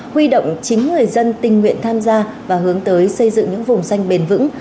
huy động chính người dân tình nguyện tham gia và hướng tới xây dựng những vùng xanh bền vững